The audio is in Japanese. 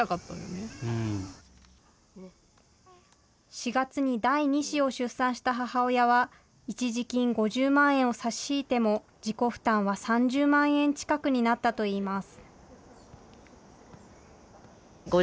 ４月に第２子を出産した母親は、一時金５０万円を差し引いても、自己負担は３０万円近くになったといいます。